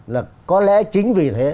là có lẽ chính vì thế